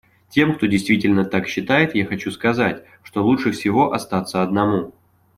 Тем, кто действительно так считает, я хочу сказать, что лучше всего остаться одному.